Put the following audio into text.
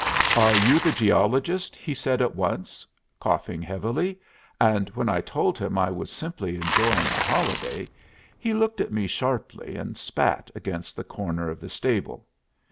"Are you the geologist?" he said at once, coughing heavily; and when I told him I was simply enjoying a holiday, he looked at me sharply and spat against the corner of the stable.